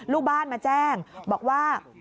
ลูกบ้านมาแจ้งบอกว่า